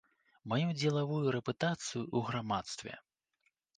Маю дзелавую рэпутацыю ў грамадстве.